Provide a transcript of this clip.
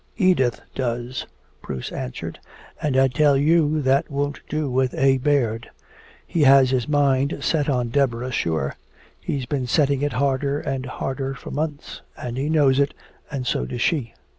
"Edith does," Bruce answered. "And I tell you that won't do with A. Baird. He has his mind set on Deborah sure. He's been setting it harder and harder for months and he knows it and so does she.